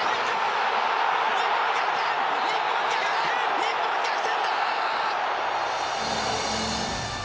日本、逆転！